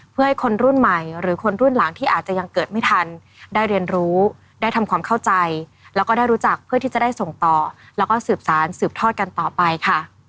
เพื่อให้คนรุ่นใหม่หรือคนรุ่นหลังที่อาจจะยังเกิดไม่ทันได้เรียนรู้ได้ทำความเข้าใจแล้วก็ได้รู้จักเพื่อที่จะได้ส่งต่อแล้วก็สืบสารสืบทอดกันต่อไปค่ะ